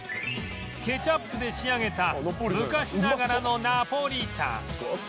ケチャップで仕上げた昔ながらのナポリタン